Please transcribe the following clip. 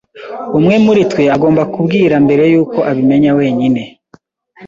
Umwe muri twe agomba kubwira mbere yuko abimenya wenyine.